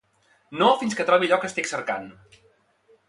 No fins que trobi allò que estic cercant.